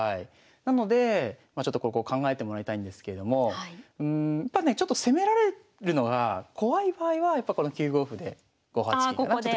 なのでちょっとここ考えてもらいたいんですけれどもやっぱね攻められるのが怖い場合はやっぱこの９五歩で５八金。